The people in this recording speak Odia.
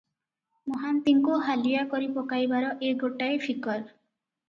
ମହାନ୍ତିଙ୍କୁ ହାଲିଆ କରି ପକାଇବାର ଏ ଗୋଟାଏ ଫିକର ।